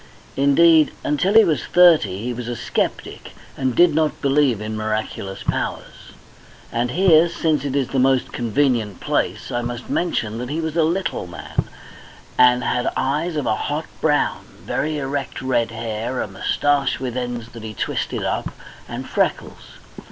Indeed, until he was thirty he was a sceptic, and did not believe in miraculous powers. And here, since it is the most convenient place, I must mention that he was a little man, and had eyes of a hot brown, very erect red hair, a moustache with ends that he twisted up, and freckles.